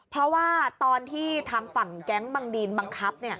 เพราะว่าตอนที่ทางฝั่งแก๊งบังดีนบังคับ